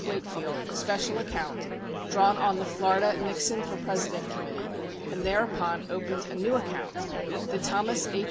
Wakefield — special account, drawn on the Florida Nixon for President Committee, and thereupon opened a new account, the Thomas H.